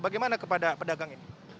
bagaimana kepada pedagang ini